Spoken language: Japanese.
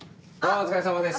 お疲れさまです！